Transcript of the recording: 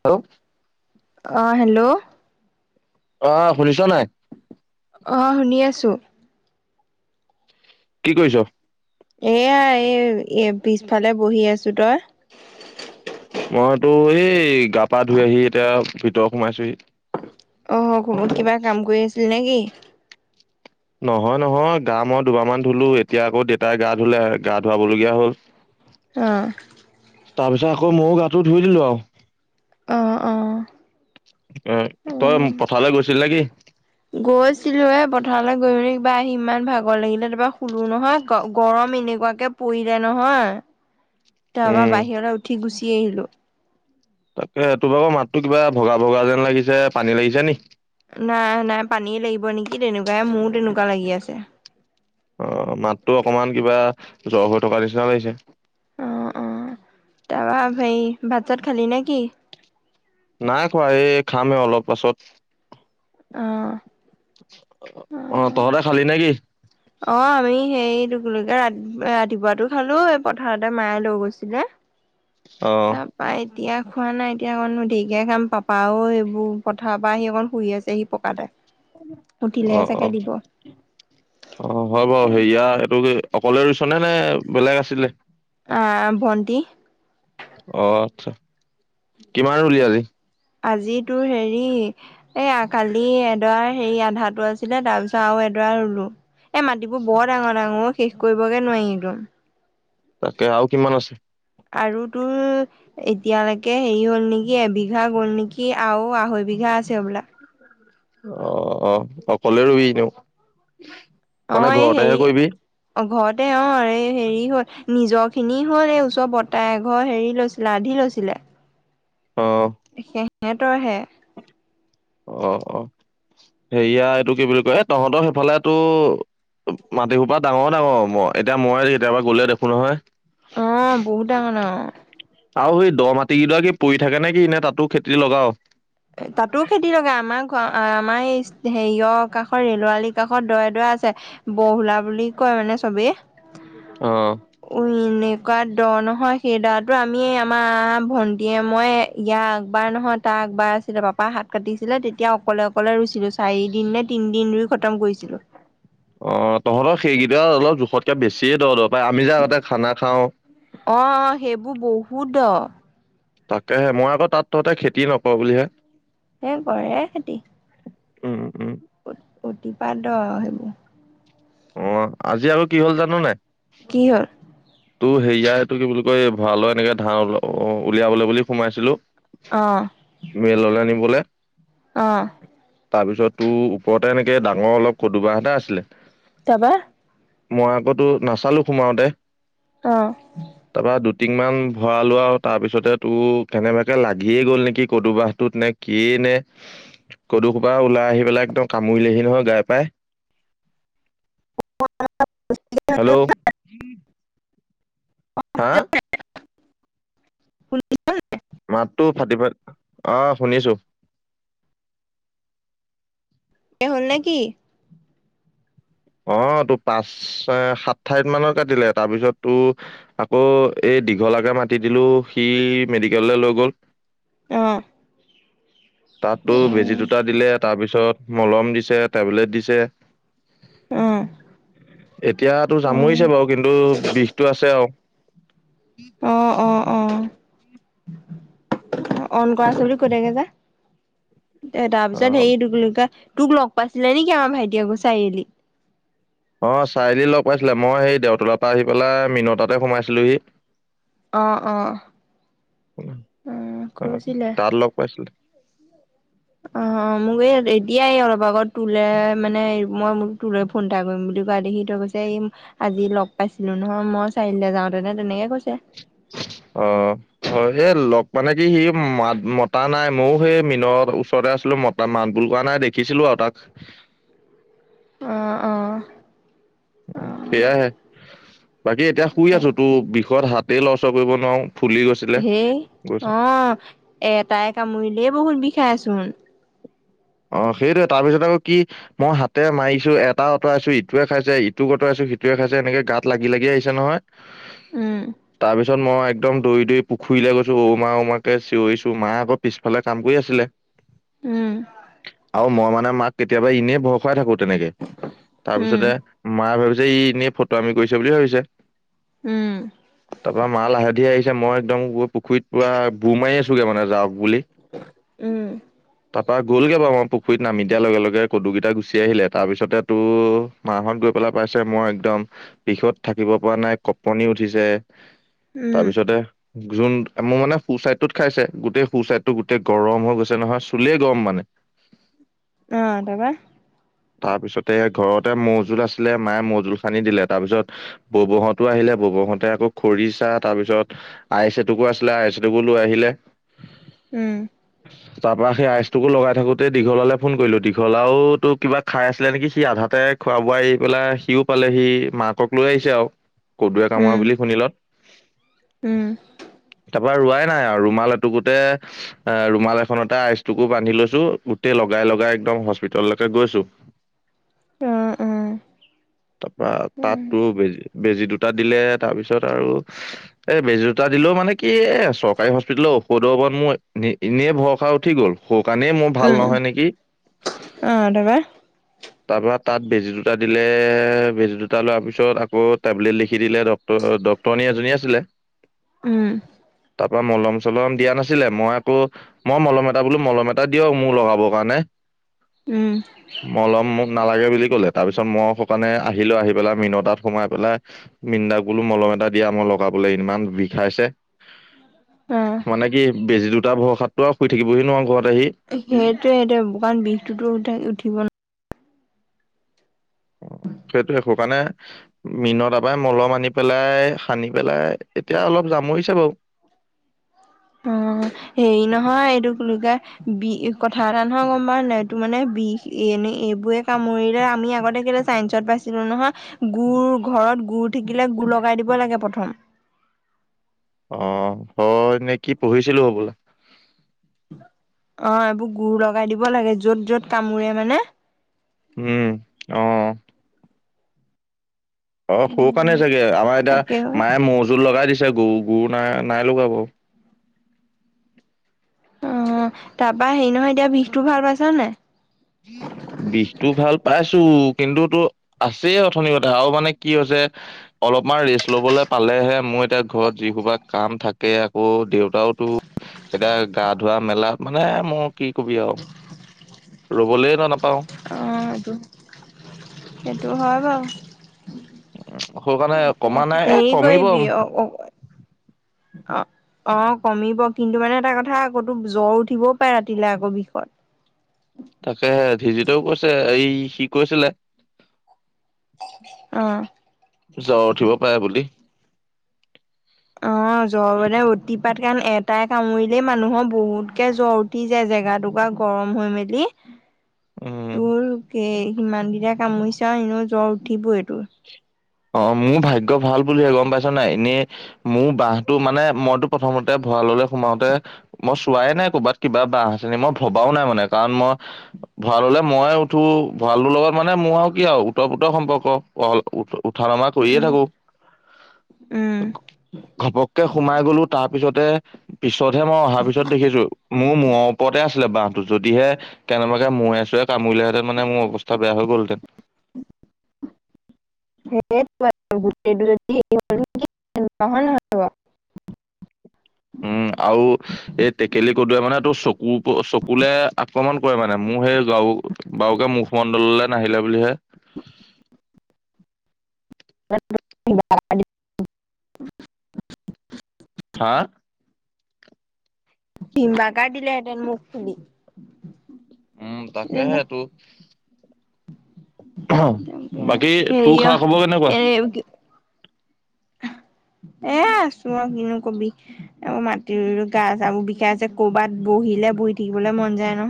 Hello, অঁ, hello, অ' শুনিছ নাই? অ' শুনি আছো। কি কৰিছ? এয়া এই এ পিছফালে বহি আছো তই। মইতো এই গা-পা ধুই আহি এতিয়া ভিতৰ সোমাইছোহি। অ' কত কিবা কাম কৰি আছিল নে কি? নহয়-নহয় গা মই দুবাৰমান ধুলো, এতিয়া আকৌ দেউতাই গা ধুলে গা ধুৱাবলগীয়া হ'ল। [unintelligible] অঁ। তাৰপিছত আকৌ ময়ো গাটো ধুই দিলোঁ আৰু। অ অ অ' তই পথাৰলৈ গৈছিল নেকি? গৈছিলো এ পথাৰলৈ গৈ পিনে কিবা আহি ইমান ভাগৰ লাগিলে তাৰপা শুলো নহয় গ গৰম এনেকুৱাকে পৰিলে নহয়। [unintelligible] তাৰ পৰা বাহিৰলৈ উঠি গুচি আহিলো। তাকে সটো বাৰৌ মাততো কিবা ভগা ভগা যেন লাগিছে পানী লাগিছে নি? নাই নাই পানীয়ে লাগিব নেকি তেনেকুৱাই মোৰো তেনেকুৱা লাগি আছে। অ' মাততো অকমান কিবা জ্বৰ হৈ থকা নিচিনা লাগিছে। অ অ, তাৰপৰা হেৰি ভাত- চাত খালি নেকি? নাই খোৱা এই খামেই অলপ পাছত। অ অ' তহঁতে খালি নে কি? অ' আমি সেইটোক লৈকে ৰাতি ৰাতিপুৱাটো খালো এই পথাৰতে মায়ে লৈ গৈছিলে। অঁ। পাই এতিয়া খোৱা নাই, এতিয়া অকণ ঢেকীয়া খাম পাপাও এইবোৰ পথাৰৰ পৰা আহি অকণ শুই আছেহি। পকাতে। অ উঠিলেহে চাগে অ, দিব অ হয় বাৰু সেয়া এইটো কি অকলে ৰুইছ নে বেলেগ আছিলে? আহ ভণ্টি। অ' আচ্ছা কিমান ৰুলি আজি? আজিতো হেৰি এই কালি এডৰা হেৰি আধাটো আছিলে তাৰ পিছত আৰু এডৰা ৰুলো। এ, মাটিবোৰ বৰ ডাঙৰ - ডাঙৰ শেষ কৰিবগে নোৱাৰি একদম। তাকে আও কিমান আছে? আৰু তোৰ এতিয়ালৈকে হেৰি হ'ল নেকি এবিঘা গ'ল নেকি আৰু আঢ়ৈবিঘা আছে হবলা। অ অ, অকলে ৰুই দিও চু। অ' এই হেৰি অ' ঘৰতে অ এই হেৰি হল নিজৰখিনি হল এই ওচৰ বৰতাহ এ ঘৰ হেৰি লৈছ লাধি লৈছিলে। অঁ। সেহতৰ হে। অ অ, সেয়া এইটো কি বুলি কয় তহঁতৰ সেইফালেতো মাটি সো পৰা ডাঙৰ - ডাঙৰ মই এতিয়া মই কেতিয়াবা গ'লে দেখো নহয়। অ বহুত ডাঙৰ - ডাঙৰ। আৰু সেই দ মাটি কেইড কি পৰি থাকে নে কি এনে তাতো খেতি লগাও? তাতো খেতি লগা আমাৰ ঘ আমাৰ এই হেৰিয়ৰ কাষৰ ৰেলোৱালিৰ কাষত দৰা - দৰা আছে বহলা বুলি কয় মানে চবেই। অ। উম এনেকুৱা দ নহয় সেই দৰাটো আমি আমাৰ ভন্টীয়ে মই ইয়াক আগবাৰ নহয় তাৰ আগবাৰ ছিলে পাপা হাত কাটিছিলে তেতিয়া অকলে অকলে ৰুইছিলো চাৰি দিন নে তিনদিন ৰুই খতম কৰিছিলো। অ তহঁতৰ সেইকেইটা অলপ জোখতকে বেছিয়ে দৰ দব পাই আমি যে আগতে খানা খাওঁ। অ অ সেইবোৰ বহুত দ। তাকেহে মই আকৌ তাত তহঁতে খেতি নকওঁ বুলিহে। এই কৰে় এ খেতি উম উম। অতিপাত সেইবোৰ। অ, আজি আৰু কি হল জানো নাই। কি হ'ল। তো সেৰিয়াই টো কি বুলি কয় এই ভঁৰালৈ এনেকে ধান উলিয়াবলৈ বুলি সোমাইছিলো। অ', মেললে নিবলে। অ', তাৰপিছত তোৰ ওপৰতে এনেকে ডাঙৰ অলপ কদুবাহতে আছিলে। তাৰপা। মই আকৌ ত নাচালো সোমাওতে। অ', তাৰপৰা দুটিংমান ভৰালো আৰু তাৰপিছতে তোৰ কেনেবাকে লাগিয়ে গ'ল নেকি কদু বাহটোত নে কি এ নে কদুসোপা ওলাই আহি পেলাই একদম কামুৰিলেহি নহয় গাই পাই। [inaudible] হেল্ল', হা [inaudible] শুলি। [unintelligible] মাততো ফাটি ফ অ, শুনিছো। এই হ'ল নেকি। অ, তোৰ পাঁচ সাতঠাইত মানৰ কাটিলে তাৰপিছত তোৰ আকৌ এই দীঘলাকে মাতি দিলো সি মেডিকেললৈ লৈ গ'ল। অ', তাতো বেজী দুটা দিলে। তাৰপিছত মলম দিছে টেবলেট দিছে। অ', এতিয়াতো অ', জামুৰিছে বাৰু কিন্তু বিষটো আছে আও। অ', অ', অ', অন কৰা আছে বুলি কৈ দে গে যা [unintelligible] এ অ তাৰপিছত হেৰি কি বোলি কয় তোক লগ পাইছিলে নেকি আমাৰ ভাইটিয়ে চাৰিআলিত। অ, চাৰিআলিত লগ পাইছিলে মই সেই দেউতলৰ পৰা আহি পেলাই মিনতাতে সোমাইছিলোহি অ', অ', অ আহ কৈছিলে। তাত লগ পাইছিলে অ, মোক এই এদিয়াই অলপ আগত তোলে মানে মই ম তোৰ লৈ ফোন এটা কৰিম বুলি কোৱা দেখি তই কৈছে এই। আজি লগ পাইছিলো নহয় মই চাৰিআলে যাও তেনে - তেনেকে কৈছে। অ', হয় এই লগ মানে কি সি মাত মতা নাই ময়ো সেই মিনৰ ওচৰতে আছিলো মতা। [unintelligible] মাত বোল কৰা নাই দেখিছিলো আৰু তাক। অ', অ', উম, সেয়াহে বাকী এতিয়া শুই তাক আছো তোৰ বিষত হাতেই লৰচৰ কৰিব নোৱাৰো ফুলি গৈছে। হেই অ, এ-এটাই কামুৰিলেই বহুত বিষাইচোন। অ, সেইটোয়ে তাৰপিছত আকৌ কি মই হাতে মাৰিছো এটা অঁতৰাইছো ইটোৱে খাইছে ইটোক অতৰাইছো সিটোৱে খাইছে এনেকে গাত লাগি - লাগি আহিছে নহয়। তাৰপিছত উম তাৰপিছত মই একদম দৌৰি - দৌৰি পুখুৰীলৈ গৈছো ওমা ওমাকৈ চঞৰিছো মা আকৌ পিছফালে কাম কৰি আছিলে। উম, আৰু মই মানে মাক কেতিয়াবা ইনেই ভয় খুৱাই থাকো তেনেকে উম তাৰপিছতে মায়ে ভাবিছে ই এনেই ফতোআমি কৰিছে বুলি ভাবিছে। উম তাৰপৰা মা লাহে ধীৰে আহি ছে মই একদম পুখুৰীত পুৰা বুৰ মাৰি আছোগে মানে যাও বুলি। উম তাৰ পৰা গ'লগৈ। আমাৰ পুখুৰীত নামি দিয়া লগে লগে কদু কেইটা গুচি আহিলে তাৰ পিছতে তোৰ মাহত গৈ পেলাই তাৰপিছত মই একদম বিষত থাকিব পৰা নাই কপনি উঠিছে উম তাৰপিছতে যোন মোৰ মানে সো চাইডটোত খাইছে গোটেই সো চাইডটো গোটেই গৰম হৈ গৈছে নহয় চুলেই গৰম মানে অ তাপা তাৰ পিছতে ঘৰতে মৌজোল আছিলে মায়ে মৌজোল সানি দিলে তাৰপিছত ববহঁতো আহিলে ববহঁতে আকৌ খৰিচা তাৰপিছত আইছ এটোকো আছিলে আইছ এটোকো লৈ আহিলে উম তাৰ পৰা সেই আইচটোকো লগাই থাকোতে দীঘলালৈ ফোন কৰিলো দীঘলাওতো কিবা খাই আছিলে নেকি সি আধাতে খোৱা বোৱা এৰি পেলাই সিও পালে সি মাকক লৈ আহিছে আও কদুৱে উম কামোৰা বুলি শুনিলত উম তাৰপৰা ৰোৱাই নাই আৰু ৰুমাল এটুকোতে এ ৰুমাল এখনতে আইচটোকো বান্ধি লৈ ছো গোটেই লগাই লগাই একদম হস্পিতললৈকে গৈছো অ অ তাপা উম তাততো বেজি বেজি দুটা টা দিলে তাৰপিছত আৰু এই বেজী দুটা দিলেও মানে কি এ চৰকাৰী হস্পিতেলৰ ঔষধৰ ওপৰত মোৰ এনে এনেই ভৰসা উঠি গল সেওকানে মোৰ ভাল উম নহয় নেকি? অ তাৰপা তাৰ পৰা তাত বেজী দুটা দিলে বেজী দুটা লোৱাৰ পিছত আকৌ টেবলেট লিখি দিলে ড ডক্টৰনী এজনী আছিলে উম তাৰ পৰা মলম চলম দিয়া নাছিলে মই আকৌ মই মলম এটা বোলো মলম এ টা দিয়ক মোৰ লগাবৰ কাৰণে। উম। মলম নালাগে বুলি কলে। তাৰপিছত মই সুকণে আহিলো আহি পেলাই মিন তাত সোমাই পেলাই- মৃন্দাক বোলো মলম এটা দিয়া মই লগাবলে ইমান বিষাইছে। অ মানে কি বেজি দুটা ভৰসাতটো আও শুই থাকিবহি নোৱাৰো ঘৰত আহি সেইটোয়ে সেইটোয়ে কাৰণ বিষটোতো উঠা উঠি ন অ সেইটোৱে সেই কাৰণে মিন তাপাই মলম আনি পেলাই সানি পেলাই এতিয়া অলপ জামৰিছে বাও অ হেৰি নহয় এইটো কি বুলি কয় বি কথা এটা নহয় গম পাওঁ নে নাই এইটো মানে বিষ এনে এইবোৰে কামুৰিলে আমি আগতে কেলে চাইসত পাইছিলো নহয় গুৰ ঘৰত গুৰ থাকিলে গুৰ লগাই দিব লাগে প্ৰথম অ হয় নে কি পঢ়িছিলো হবলা অ এইবোৰ গুৰ লগাই দিব লাগে য'ত য'ত কামোৰে মানে উম অ অ সৰু কাৰণে চাগে। আমাৰ তাকে অ এতিয়া মায়ে মৌ জুল লগাই দিছে, গও গও নাই নাই লগা বাও। অ তাপা হেৰি নহয় এতিয়া বিষতো ভাল পাইছা নাই? বিষটো ভাল পাইছো কিন্তু তো- আছে অথনি কঠা আৰু মানে কি হৈছে- অলপমান ৰেষ্ট লবলে পালেহে, মোৰ এতিয়া ঘৰত যিসোপা কাম থাকে আকৌ দেউতাও তো- এতিয়া গা ধোৱা মেলাত মানে মৌ কি কবি আও [unintelligible] ৰ'বলৈ না নাপাওঁ। অ সেইটো সেইটো হয় বাও। সেই কাৰণে তাকে কমা নাই এ হেৰি কমিব কৰিবি অ অ অ কমিব কিন্তু মানে এটা কথা আকৌ তোৰ জ্বৰ উঠিবও পাৰে ৰাতিলে আকৌ বিষত। তাকে ধিজিতেও কৈছে এই সি কৈছিলে। অ জ্বৰ উঠিব পাৰে বুলি। অ [unintelligible] জ্বৰ মানে অতিপাত কাৰণ এটাই কামুৰিলেই মানুহৰ বহুতকে জ্বৰ উঠি যায় জেগা টোকা- গৰম হৈ মেলি। [unintelligible] উম তোৰ কি সিমান গিটাই কামুৰিছা এনো জ্বৰ উঠিবয়ে তোৰ। অ', মোৰ ভাগ্য ভাল বুলিহে গম পাইছ নাই। এনেই মোৰ বাহঁটো মানে মইতো প্ৰথমতে ভঁৰাললৈ সোমাওঁতে মই চোৱাই নাই ক'ৰবাত কিবা বাহঁ আছে নে। মই ভৱাও নাই মানে কাৰণ মই ভঁৰাললে মই উঠো। ভঁৰালটোৰ লগত মানে মোৰ আৰু কি আৰু উত্তৰ পোতৰ সম্পৰ্ক। উঠা নমা কৰিয়ে উম থাকো। উম ঘপককে সোমাই গলো তাৰপিছতে পিছতহে মই অহাৰ পিছত দেখিছো, মোৰ মূৰ ওপৰতে আছি ছিলে বাহঁটো। যদিহে কেনেবাকে মূৰে চোৰে কামুৰিলে হেতেন মোৰ অৱস্থা বেয়া হৈ গলহেতেন। [unintelligible] উম আও এই টেকেলি কদোৱে মানে টো চকু চকুলে আক্ৰমণ কৰে মানে। মোৰ সেই গা বাৰুকে মুখমণ্ডললৈ নাহিলে বুলিহে। [unintelligible] হা? ভিমবাকাৰ দিলে সেতেন মুখ ফুলি। উম তাকেহে টো। বাকী তোৰ খা খবৰ কেনেকুৱা? দে এ আছো আৰু কিনু কবি। আৰু মাটি ৰুই ৰুই গা চা বোৰ বিষাইছে কৰ'বাত বহিলে বহি থাকিবলৈ মন যায় নহয়।